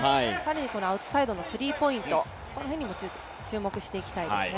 更にアウトサイドのスリーポイントにも注目していきたいですね。